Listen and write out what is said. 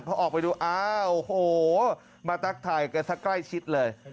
พอออกไปดูอ้าวโอ้โหมาทักทายกันสักใกล้ชิดเลย